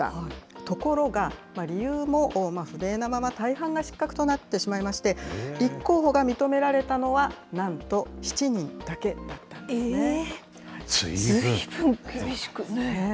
ところが、理由も不明なまま、大半が失格となってしまいまして、立候補が認められたのは、なんとずいぶん厳しく。